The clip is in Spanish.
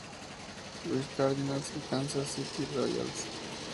Louis Cardinals y Kansas City Royals.